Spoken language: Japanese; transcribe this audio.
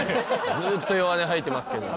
ずっと弱音吐いてます。